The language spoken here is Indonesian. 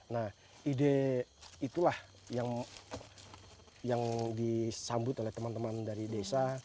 nah ide itulah yang disambut oleh teman teman dari desa